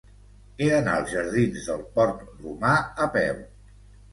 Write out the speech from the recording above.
He d'anar als jardins del Port Romà a peu.